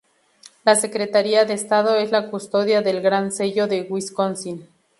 La Secretaría de Estado es la custodia del Gran Sello de Wisconsin.